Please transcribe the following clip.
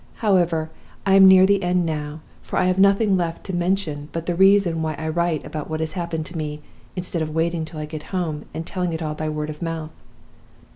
However, I am near the end now; for I have nothing left to mention but the reason why I write about what has happened to me, instead of waiting till I get home, and telling it all by word of mouth.